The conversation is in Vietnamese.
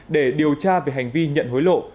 để điều tra về hành vi nhận hối lộ